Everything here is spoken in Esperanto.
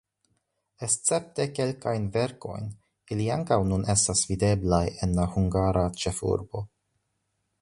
Escepte kelkajn verkojn ili ankaŭ nun estas videblaj en la hungara ĉefurbo.